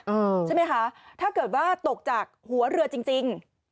ใช่ไหมคะถ้าเกิดว่าตกจากหัวเรือจริงจริง